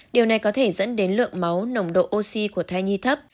điều này có thể dẫn đến lượng máu nồng độ oxy của thai nhi thấp